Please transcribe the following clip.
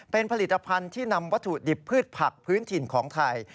เป็นผลิตภัณฑ์ที่นำวัตถุดิบพืชผักพื้นถิ่นของไทย